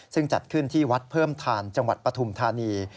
ซึ่งจัดขึ้นที่วัดเพิ่มทานจังหวัดปฐุมธานี